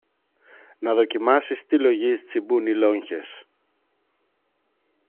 να δοκιμάσεις τι λογής τσιμπούν οι λόγχες